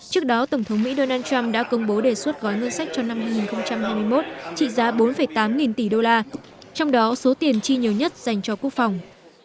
trước đó tổng thống mỹ donald trump đã công bố đề xuất gói ngân sách cho năm hai nghìn hai mươi một trị giá bốn tám nghìn tỷ đô la trong đó số tiền chi nhiều nhất dành cho quốc phòng